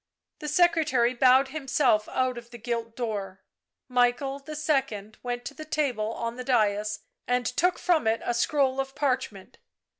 The secretary bowed himself out of the gilt door. Michael II. went to the table on the dais and took from it a scroll of parchment.